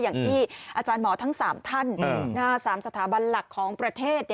อย่างที่อาจารย์หมอทั้ง๓ท่าน๓สถาบันหลักของประเทศ